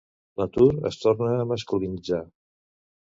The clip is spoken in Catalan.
L'atur es torna a masculinitzar.